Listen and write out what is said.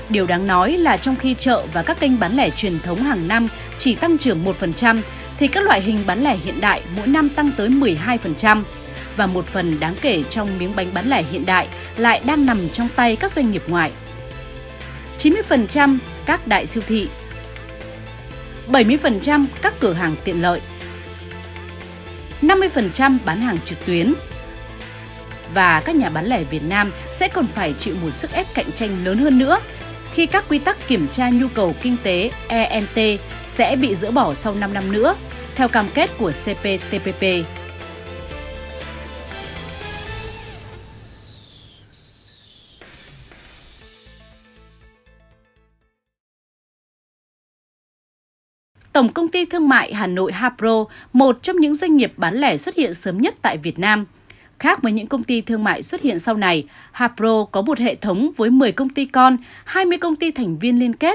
điều đáng nói là trong khi chợ và các kênh bán lẻ truyền thống hàng năm chỉ tăng trưởng một thì các loại hình bán lẻ hiện đại mỗi năm tăng tới một mươi hai